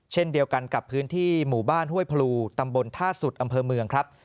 เช่นเดียวกันกับพื้นที่หมู่บ้านห้วยพลูตำบลท่าสุดอำเภอเมืองครับ